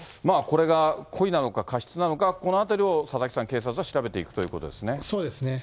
これが故意なのか過失なのか、ここのあたりを佐々木さん、警察そうですね。